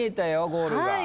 ゴールが。